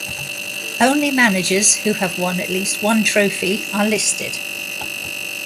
Only managers who have won at least one trophy are listed.